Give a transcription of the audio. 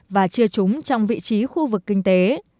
và chưa trúng trong vị trí khu vực kinh tế